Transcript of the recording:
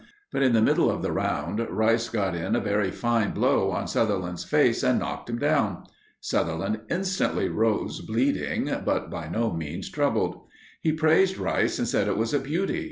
But, in the middle of the round, Rice got in a very fine blow on Sutherland's face and knocked him down. Sutherland instantly rose bleeding, but by no means troubled. He praised Rice and said it was a beauty.